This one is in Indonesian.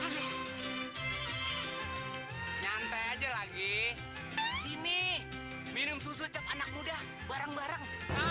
nyantai aja lagi sini minum susu cap anak muda bareng bareng